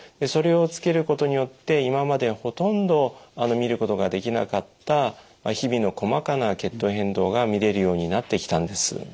それをつけることによって今までほとんど見ることができなかった日々の細かな血糖変動が見れるようになってきたんです。